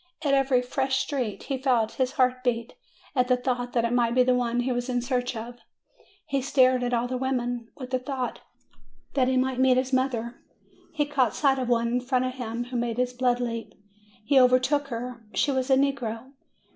At every fresh street, he felt his he'art beat, at the thought that it might be the one he was in search of. He stared at all the women, with the thought that he might meet his mother. He caught sight of one in front of him who made his blood leap ; he overtook her : she was a negro.